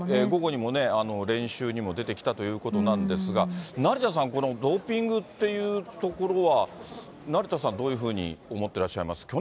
午後にもね、練習にも出てきたということなんですが、成田さん、このドーピングっていうところは、成田さん、どういうふうに思ってらっしゃいます？